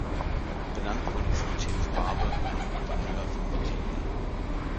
Benannt wurde es nach James Barbour, einem Gouverneur von Virginia.